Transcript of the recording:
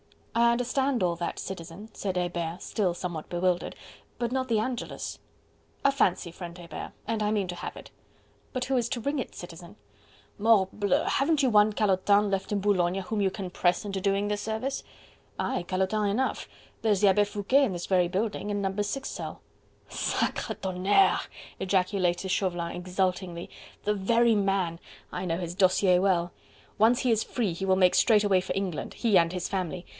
"I understand all that, Citizen," said Hebert, still somewhat bewildered, "but not the Angelus." "A fancy, friend Hebert, and I mean to have it." "But who is to ring it, Citizen?" "Morbleu! haven't you one calotin left in Boulogne whom you can press into doing this service?" "Aye! calotins enough! there's the Abbe Foucquet in this very building... in No. 6 cell..." "Sacre tonnerre!" ejaculated Chauvelin exultingly, "the very man! I know his dossier well! Once he is free, he will make straightway for England... he and his family...